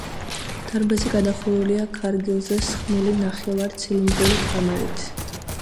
დარბაზი გადახურულია ქარგილზე სხმული ნახევარცილინდრული კამარით.